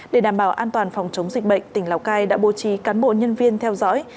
để đảm bảo an toàn phòng chống dịch bệnh tỉnh lào cai đã bố trí cán bộ nhân viên theo dõi